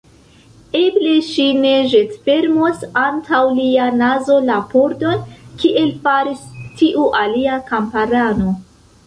Eble ŝi ne ĵetfermos antaŭ lia nazo la pordon, kiel faris tiu alia kamparano.